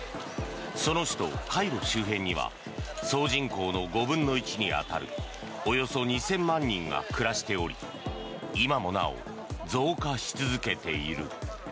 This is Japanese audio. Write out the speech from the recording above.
その首都カイロ周辺には総人口の５分の１に当たるおよそ２０００万人が暮らしており今もなお増加し続けている。